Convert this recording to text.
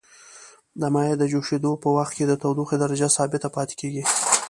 د مایع د جوشیدو په وقت کې د تودوخې درجه ثابته پاتې کیږي.